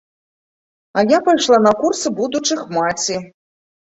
А я пайшла на курсы будучых маці.